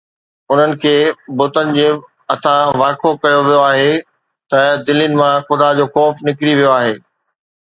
انهن کي بتن جي هٿان وائکو ڪيو ويو آهي ته دلين مان خدا جو خوف نڪري ويو آهي